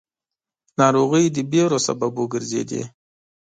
ناروغۍ د وېرو سبب وګرځېدې.